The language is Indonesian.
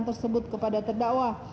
tersebut kepada terdakwa